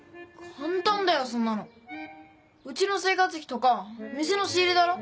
簡単だよそんなの。うちの生活費とか店の仕入れだろ？